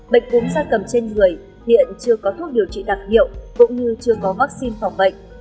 bệnh cúm da cầm trên người hiện chưa có thuốc điều trị đặc hiệu cũng như chưa có vaccine phòng bệnh